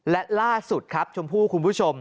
และล่าสุดครับชมพู่คุณผู้ชม